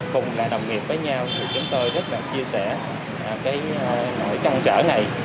cùng là đồng nghiệp với nhau thì chúng tôi rất là chia sẻ cái nỗi trăn trở này